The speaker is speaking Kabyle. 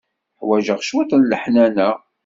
Ḥwaǧeɣ cwiṭ n leḥnana.